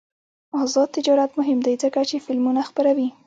آزاد تجارت مهم دی ځکه چې فلمونه خپروي.